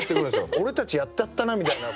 俺たちやってやったなみたいな。